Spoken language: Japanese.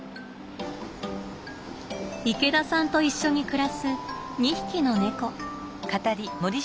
池田さんと一緒に暮らす２匹の猫。